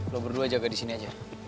lo berdua jaga di sini aja